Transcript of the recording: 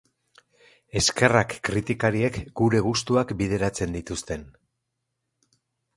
Eskerrak kritikariek gure gustuak bideratzen dituzten...